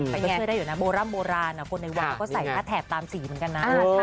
แต่ยังเชื่อได้อยู่นะโบร่ำโบราณคนในวังเขาก็ใส่หน้าแถบตามสีเหมือนกันนะ